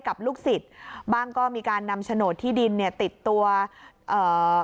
ลูกศิษย์บ้างก็มีการนำโฉนดที่ดินเนี่ยติดตัวเอ่อ